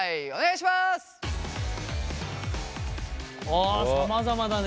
あさまざまだね。